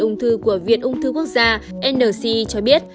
ung thư của viện ung thư quốc gia nci cho biết